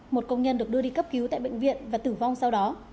một công nhân được đưa đi cấp cứu tại bệnh viện và tử vong sau đó